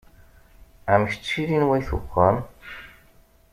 Amek ttilin wayt uxxam?